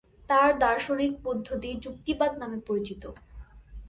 তাঁর দার্শনিক পদ্ধতি যুক্তিবাদ নামে পরিচিত।